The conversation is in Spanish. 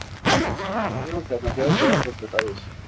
Todos los pasajeros fueron rescatados.